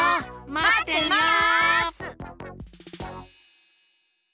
まってます！